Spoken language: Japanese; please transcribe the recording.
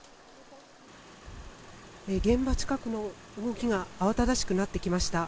現場近くの動きが慌ただしくなってきました。